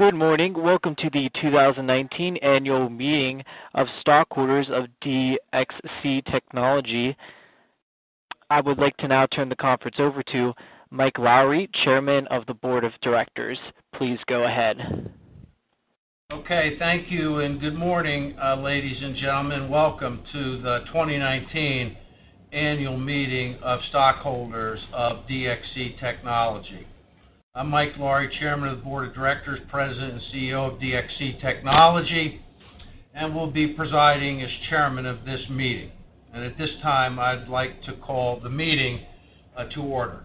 Good morning. Welcome to the 2019 annual meeting of stockholders of DXC Technology. I would like to now turn the conference over to Mike Lawrie, Chairman of the Board of Directors. Please go ahead. Okay. Thank you and good morning, ladies and gentlemen. Welcome to the 2019 annual meeting of stockholders of DXC Technology. I'm Mike Lawrie, Chairman of the Board of Directors, President and CEO of DXC Technology, and will be presiding as Chairman of this meeting. At this time, I'd like to call the meeting to order.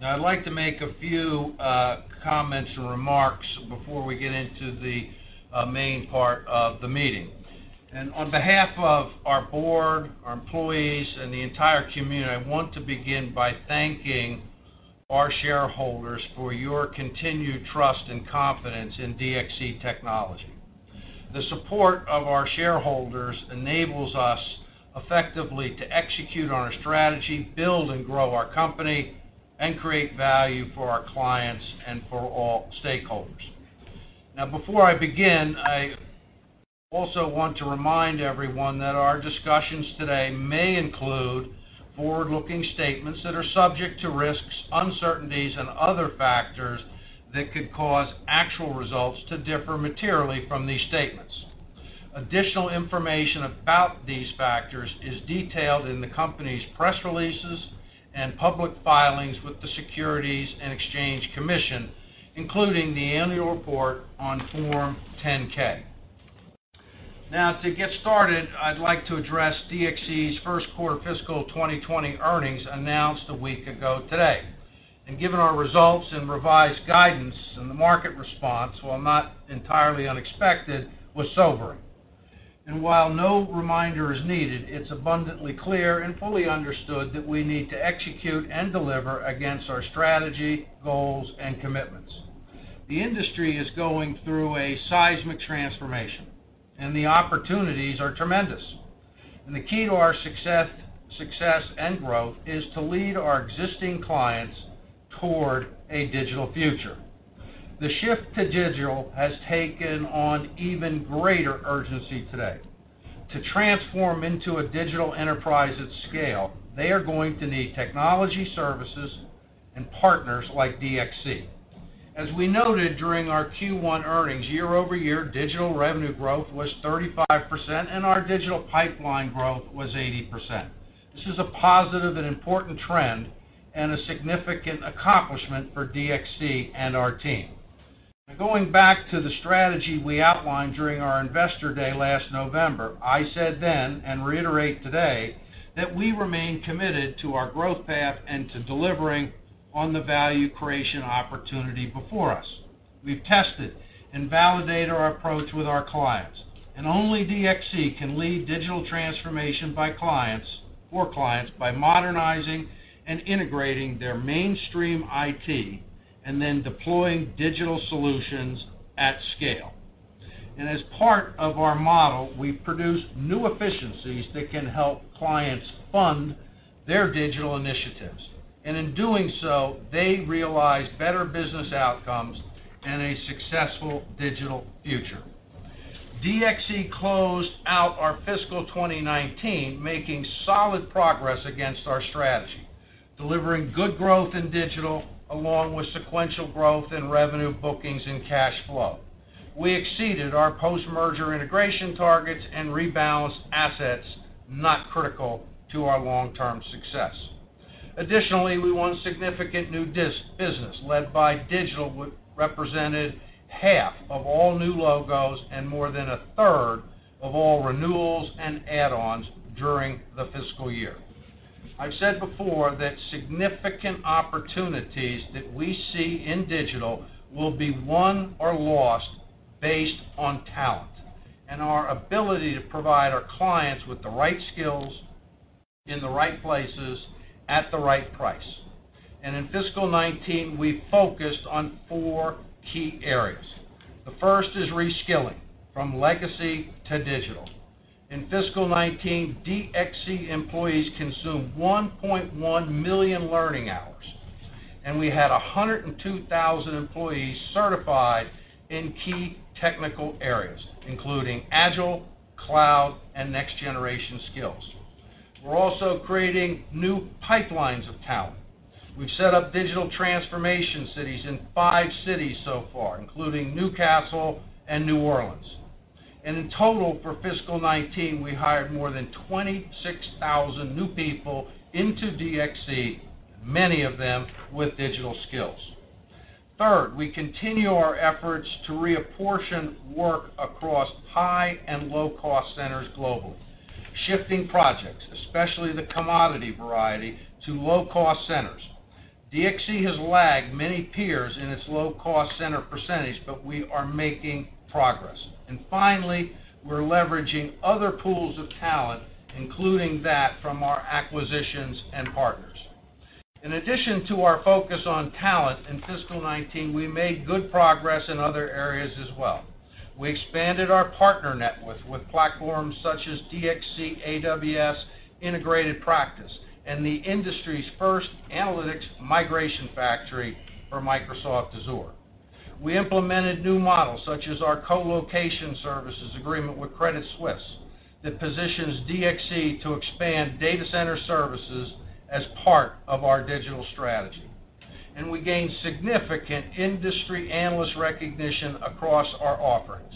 Now, I'd like to make a few comments and remarks before we get into the main part of the meeting. On behalf of our board, our employees, and the entire community, I want to begin by thanking our shareholders for your continued trust and confidence in DXC Technology. The support of our shareholders enables us effectively to execute on our strategy, build and grow our company, and create value for our clients and for all stakeholders. Now, before I begin, I also want to remind everyone that our discussions today may include forward-looking statements that are subject to risks, uncertainties, and other factors that could cause actual results to differ materially from these statements. Additional information about these factors is detailed in the company's press releases and public filings with the Securities and Exchange Commission, including the annual report on Form 10-K. Now, to get started, I'd like to address DXC's first quarter fiscal 2020 earnings announced a week ago today, and given our results and revised guidance, and the market response, while not entirely unexpected, was sobering, and while no reminder is needed, it's abundantly clear and fully understood that we need to execute and deliver against our strategy, goals, and commitments. The industry is going through a seismic transformation, and the opportunities are tremendous. And the key to our success and growth is to lead our existing clients toward a digital future. The shift to digital has taken on even greater urgency today. To transform into a digital enterprise at scale, they are going to need technology services and partners like DXC. As we noted during our Q1 earnings, year-over-year digital revenue growth was 35%, and our digital pipeline growth was 80%. This is a positive and important trend and a significant accomplishment for DXC and our team. Going back to the strategy we outlined during our investor day last November, I said then and reiterate today that we remain committed to our growth path and to delivering on the value creation opportunity before us. We've tested and validated our approach with our clients. Only DXC can lead digital transformation for clients by modernizing and integrating their mainstream IT and then deploying digital solutions at scale. As part of our model, we produce new efficiencies that can help clients fund their digital initiatives. In doing so, they realize better business outcomes and a successful digital future. DXC closed out our fiscal 2019 making solid progress against our strategy, delivering good growth in digital along with sequential growth in revenue bookings and cash flow. We exceeded our post-merger integration targets and rebalanced assets not critical to our long-term success. Additionally, we won significant new business led by digital that represented half of all new logos and more than a third of all renewals and add-ons during the fiscal year. I've said before that significant opportunities that we see in digital will be won or lost based on talent and our ability to provide our clients with the right skills in the right places at the right price. And in fiscal 2019, we focused on four key areas. The first is reskilling from legacy to digital. In fiscal 2019, DXC employees consumed 1.1 million learning hours, and we had 102,000 employees certified in key technical areas including agile, cloud, and next-generation skills. We're also creating new pipelines of talent. We've set up digital transformation cities in five cities so far, including Newcastle and New Orleans. And in total, for fiscal 2019, we hired more than 26,000 new people into DXC, many of them with digital skills. Third, we continue our efforts to reapportion work across high and low-cost centers globally, shifting projects, especially the commodity variety, to low-cost centers. DXC has lagged many peers in its low-cost center percentage, but we are making progress. And finally, we're leveraging other pools of talent, including that from our acquisitions and partners. In addition to our focus on talent in fiscal 2019, we made good progress in other areas as well. We expanded our partner network with platforms such as DXC AWS Integrated Practice and the industry's first Analytics Migration Factory for Microsoft Azure. We implemented new models such as our colocation services agreement with Credit Suisse that positions DXC to expand data center services as part of our digital strategy. And we gained significant industry analyst recognition across our offerings.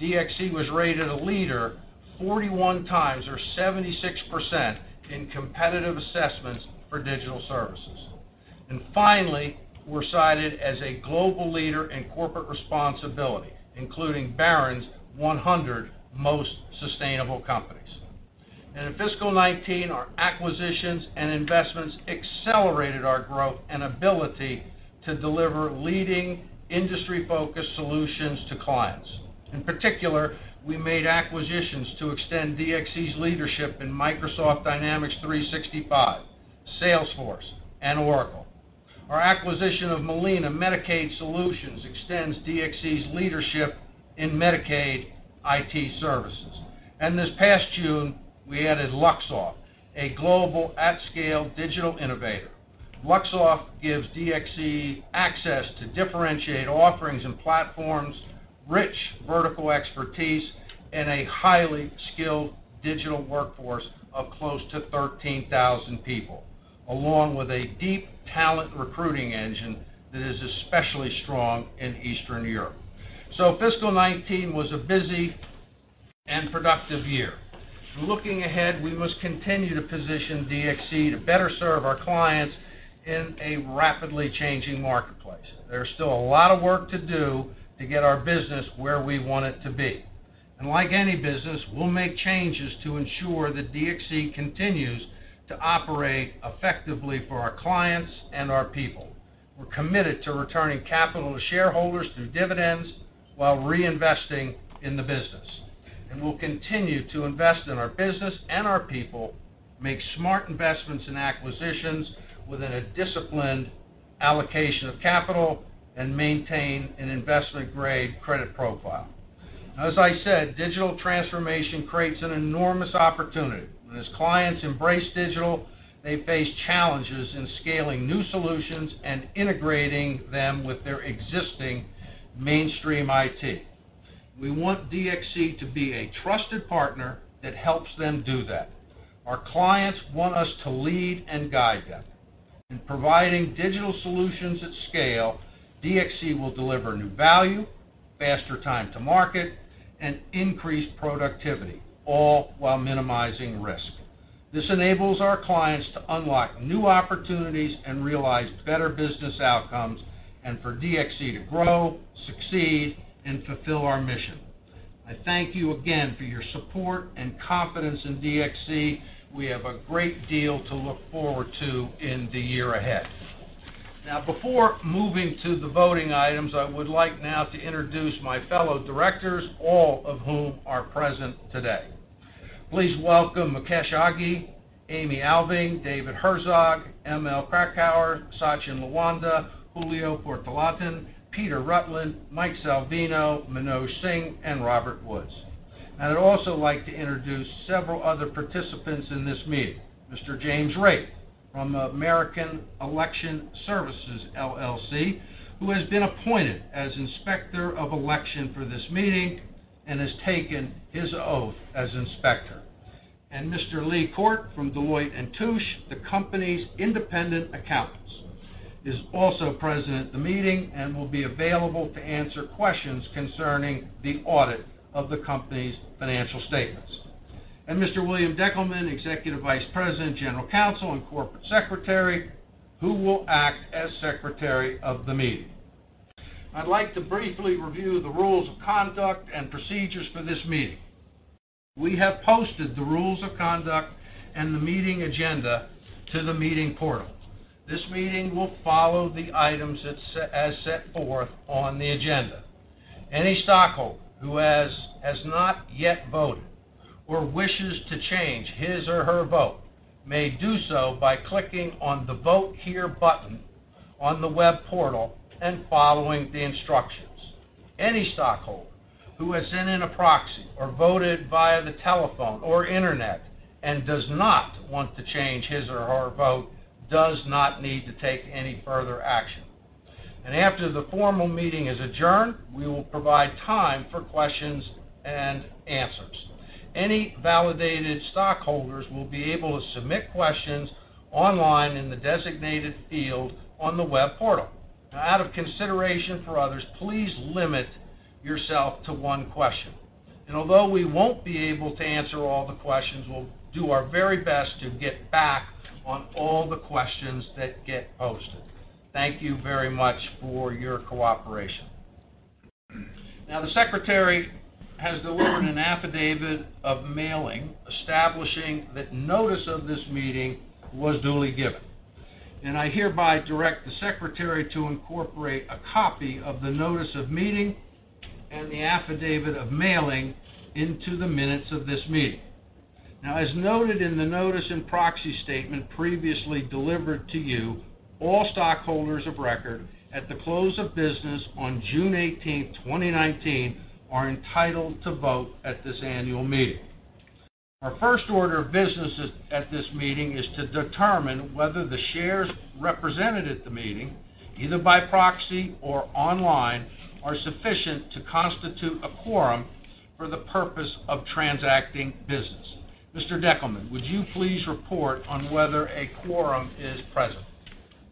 DXC was rated a leader 41 times, or 76%, in competitive assessments for digital services. And finally, we're cited as a global leader in corporate responsibility, including Barron's 100 Most Sustainable Companies. And in fiscal 2019, our acquisitions and investments accelerated our growth and ability to deliver leading industry-focused solutions to clients. In particular, we made acquisitions to extend DXC's leadership in Microsoft Dynamics 365, Salesforce, and Oracle. Our acquisition of Molina Medicaid Solutions extends DXC's leadership in Medicaid IT services. And this past June, we added Luxoft, a global at-scale digital innovator. Luxoft gives DXC access to differentiate offerings and platforms, rich vertical expertise, and a highly skilled digital workforce of close to 13,000 people, along with a deep talent recruiting engine that is especially strong in Eastern Europe. So fiscal 2019 was a busy and productive year. Looking ahead, we must continue to position DXC to better serve our clients in a rapidly changing marketplace. There's still a lot of work to do to get our business where we want it to be. And like any business, we'll make changes to ensure that DXC continues to operate effectively for our clients and our people. We're committed to returning capital to shareholders through dividends while reinvesting in the business. And we'll continue to invest in our business and our people, make smart investments and acquisitions within a disciplined allocation of capital, and maintain an investment-grade credit profile. As I said, digital transformation creates an enormous opportunity. When clients embrace digital, they face challenges in scaling new solutions and integrating them with their existing mainstream IT. We want DXC to be a trusted partner that helps them do that. Our clients want us to lead and guide them. In providing digital solutions at scale, DXC will deliver new value, faster time to market, and increased productivity, all while minimizing risk. This enables our clients to unlock new opportunities and realize better business outcomes and for DXC to grow, succeed, and fulfill our mission. I thank you again for your support and confidence in DXC. We have a great deal to look forward to in the year ahead. Now, before moving to the voting items, I would like now to introduce my fellow directors, all of whom are present today. Please welcome Mukesh Aghi, Amy Alving, David Herzog, Mary Krakauer, Sachin Lawande, Julio Portalatin, Peter Rutland, Mike Salvino, Manoj Singh, and Robert Woods, and I'd also like to introduce several other participants in this meeting, Mr. James Raitt from American Election Services LLC, who has been appointed as inspector of election for this meeting and has taken his oath as inspector. And Mr. Lee Court from Deloitte & Touche, the company's independent accountants, is also present at the meeting and will be available to answer questions concerning the audit of the company's financial statements, and Mr. William L. Deckelman, Executive Vice President, General Counsel, and Corporate Secretary, who will act as secretary of the meeting. I'd like to briefly review the rules of conduct and procedures for this meeting. We have posted the rules of conduct and the meeting agenda to the meeting portal. This meeting will follow the items as set forth on the agenda. Any stockholder who has not yet voted or wishes to change his or her vote may do so by clicking on the Vote Here button on the web portal and following the instructions. Any stockholder who has sent in a proxy or voted via the telephone or internet and does not want to change his or her vote does not need to take any further action, and after the formal meeting is adjourned, we will provide time for questions and answers. Any validated stockholders will be able to submit questions online in the designated field on the web portal. Out of consideration for others, please limit yourself to one question, and although we won't be able to answer all the questions, we'll do our very best to get back on all the questions that get posted. Thank you very much for your cooperation. Now, the secretary has delivered an affidavit of mailing establishing that notice of this meeting was duly given. I hereby direct the secretary to incorporate a copy of the notice of meeting and the affidavit of mailing into the minutes of this meeting. Now, as noted in the notice and proxy statement previously delivered to you, all stockholders of record at the close of business on June 18th, 2019, are entitled to vote at this annual meeting. Our first order of business at this meeting is to determine whether the shares represented at the meeting, either by proxy or online, are sufficient to constitute a quorum for the purpose of transacting business. Mr. Deckelman, would you please report on whether a quorum is present?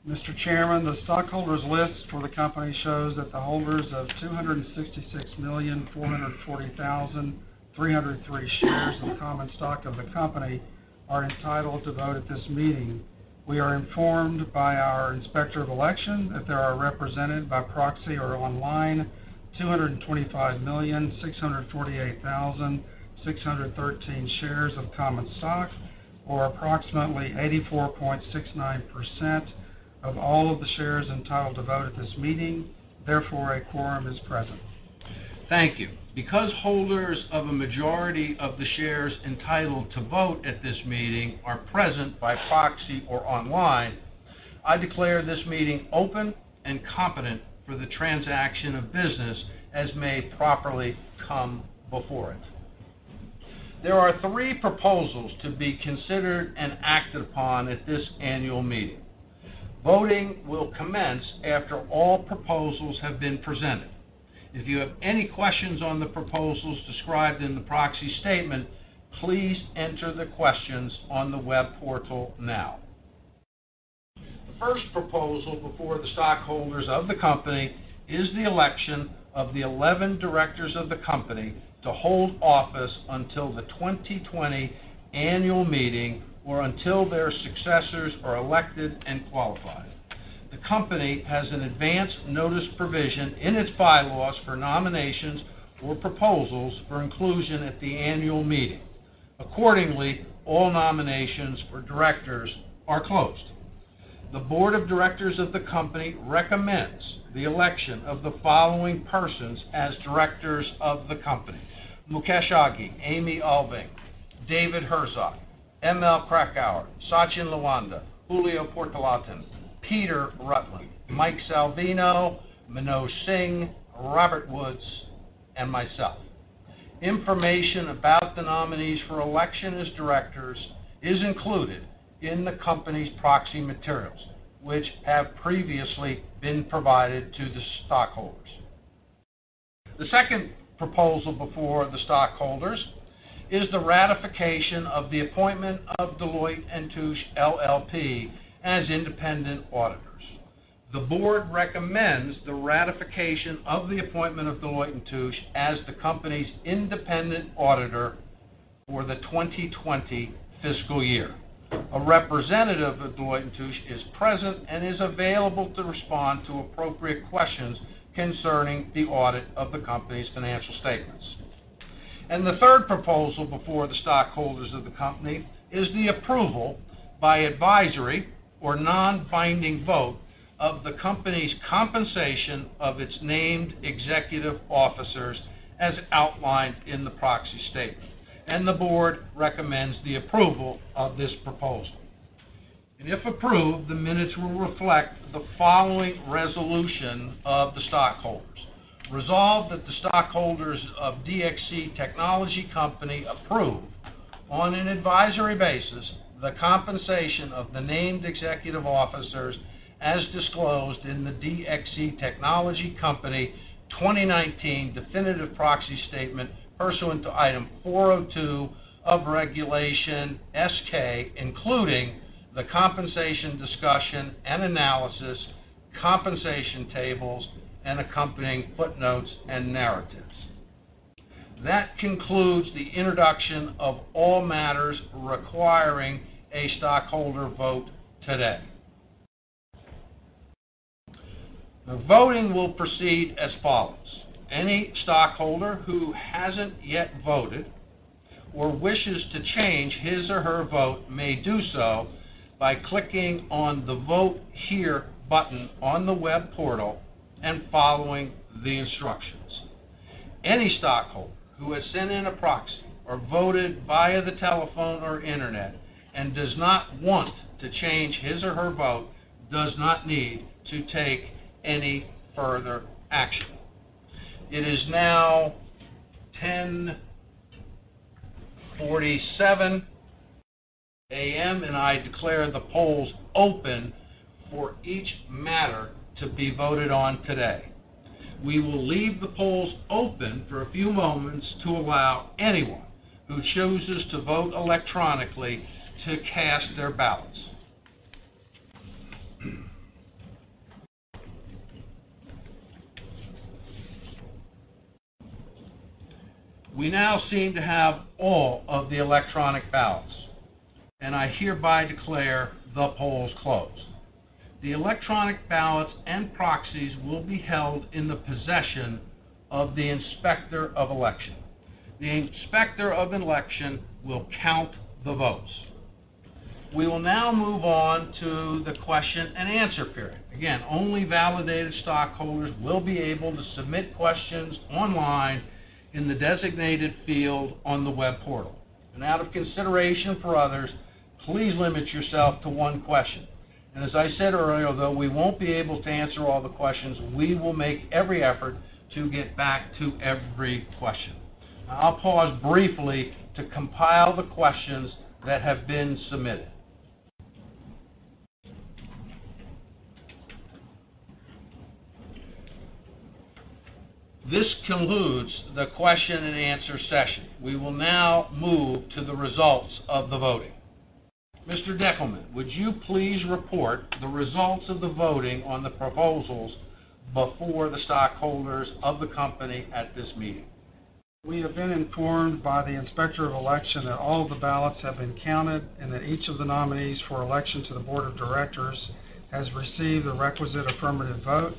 Mr. Chairman, the stockholders' list for the company shows that the holders of 266,440,303 shares of common stock of the company are entitled to vote at this meeting. We are informed by our inspector of election that there are represented by proxy or online 225,648,613 shares of common stock, or approximately 84.69% of all of the shares entitled to vote at this meeting. Therefore, a quorum is present. Thank you. Because holders of a majority of the shares entitled to vote at this meeting are present by proxy or online, I declare this meeting open and competent for the transaction of business as may properly come before it. There are three proposals to be considered and acted upon at this annual meeting. Voting will commence after all proposals have been presented. If you have any questions on the proposals described in the proxy statement, please enter the questions on the web portal now. The first proposal before the stockholders of the company is the election of the 11 directors of the company to hold office until the 2020 annual meeting or until their successors are elected and qualified. The company has an advanced notice provision in its bylaws for nominations or proposals for inclusion at the annual meeting. Accordingly, all nominations for directors are closed. The board of directors of the company recommends the election of the following persons as directors of the company: Mukesh Aghi, Amy Alving, David Herzog, Mary Krakauer, Sachin Lawande, Julio Portalatin, Peter Rutland, Mike Salvino, Manoj Singh, Robert Woods, and myself. Information about the nominees for election as directors is included in the company's proxy materials, which have previously been provided to the stockholders. The second proposal before the stockholders is the ratification of the appointment of Deloitte & Touche LLP as independent auditors. The board recommends the ratification of the appointment of Deloitte and Touche as the company's independent auditor for the 2020 fiscal year. A representative of Deloitte and Touche is present and is available to respond to appropriate questions concerning the audit of the company's financial statements, and the third proposal before the stockholders of the company is the approval by advisory or non-binding vote of the company's compensation of its named executive officers as outlined in the proxy statement, and the board recommends the approval of this proposal. And if approved, the minutes will reflect the following resolution of the stockholders: resolve that the stockholders of DXC Technology Company approve on an advisory basis the compensation of the named executive officers as disclosed in the DXC Technology Company 2019 definitive proxy statement pursuant to Item 402 of Regulation S-K, including the compensation discussion and analysis, compensation tables, and accompanying footnotes and narratives. That concludes the introduction of all matters requiring a stockholder vote today. The voting will proceed as follows. Any stockholder who hasn't yet voted or wishes to change his or her vote may do so by clicking on the Vote Here button on the web portal and following the instructions. Any stockholder who has sent in a proxy or voted via the telephone or internet and does not want to change his or her vote does not need to take any further action. It is now 10:47 A.M., and I declare the polls open for each matter to be voted on today. We will leave the polls open for a few moments to allow anyone who chooses to vote electronically to cast their ballots. We now seem to have all of the electronic ballots, and I hereby declare the polls closed. The electronic ballots and proxies will be held in the possession of the inspector of election. The inspector of election will count the votes. We will now move on to the question and answer period. Again, only validated stockholders will be able to submit questions online in the designated field on the web portal. Out of consideration for others, please limit yourself to one question. As I said earlier, though we won't be able to answer all the questions, we will make every effort to get back to every question. I'll pause briefly to compile the questions that have been submitted. This concludes the question and answer session. We will now move to the results of the voting. Mr. Deckelman, would you please report the results of the voting on the proposals before the stockholders of the company at this meeting? We have been informed by the inspector of election that all of the ballots have been counted and that each of the nominees for election to the board of directors has received a requisite affirmative vote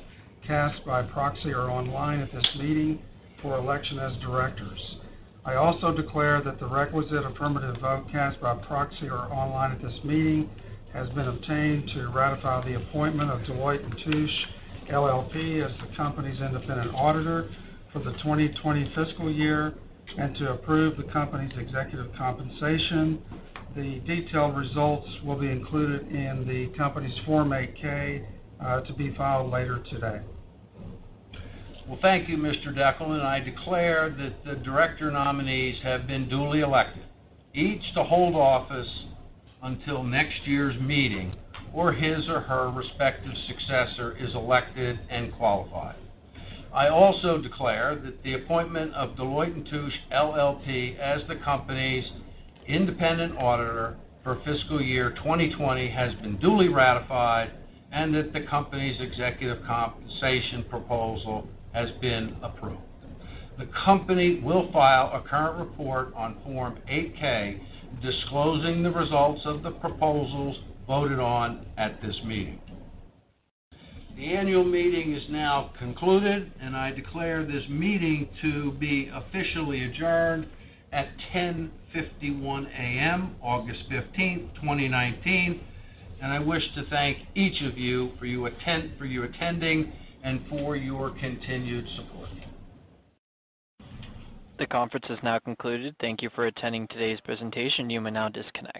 cast by proxy or online at this meeting for election as directors. I also declare that the requisite affirmative vote cast by proxy or online at this meeting has been obtained to ratify the appointment of Deloitte & Touche LLP as the company's independent auditor for the 2020 fiscal year and to approve the company's executive compensation. The detailed results will be included in the company's Form 8-K to be filed later today. Well, thank you, Mr. Deckelman. I declare that the director nominees have been duly elected, each to hold office until next year's meeting or his or her respective successor is elected and qualified. I also declare that the appointment of Deloitte & Touche LLP as the company's independent auditor for fiscal year 2020 has been duly ratified and that the company's executive compensation proposal has been approved. The company will file a current report on Form 8-K disclosing the results of the proposals voted on at this meeting. The annual meeting is now concluded, and I declare this meeting to be officially adjourned at 10:51 A.M., August 15th, 2019, and I wish to thank each of you for your attending and for your continued support. The conference is now concluded. Thank you for attending today's presentation. You may now disconnect.